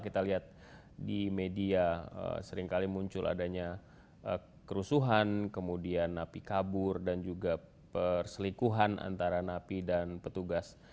kita lihat di media seringkali muncul adanya kerusuhan kemudian napi kabur dan juga perselikuhan antara napi dan petugas